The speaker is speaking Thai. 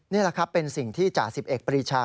นี่เป็นสิ่งที่จสิบเอกปฏิชา